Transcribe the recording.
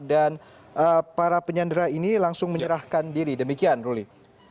dan para penyandang ini langsung menyerahkan diri demikian ruli